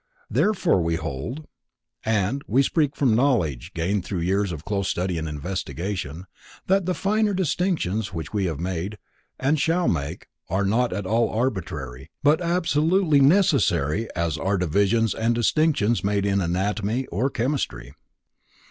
Therefore we hold, (and we speak from knowledge gained through years of close study and investigation), that the finer distinctions which we have made, and shall make, are not at all arbitrary, but absolutely necessary as are divisions and distinctions made in anatomy or chemistry.